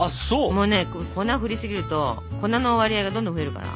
もうね粉をふりすぎると粉の割合がどんどん増えるから。